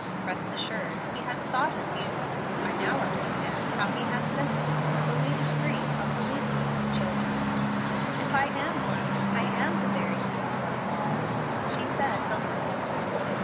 "Rest assured He has thought of you. I now understand how He has sympathy for the least grief of the least of His children." "If I am one, I am the very least one of all," she said humbly.